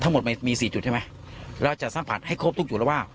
ทั้งหมดมีมีสี่จุดใช่ไหมเราจะสัมผัสให้ครบทุกจุดแล้วว่า